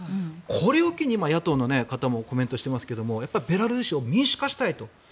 これを機に野党の方もコメントしていますがベラルーシを民主化したいと。